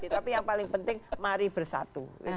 tapi yang paling penting mari bersatu